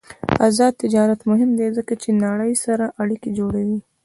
آزاد تجارت مهم دی ځکه چې نړۍ سره اړیکې جوړوي.